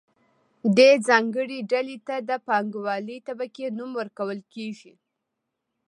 دې ځانګړې ډلې ته د پانګوالې طبقې نوم ورکول کیږي.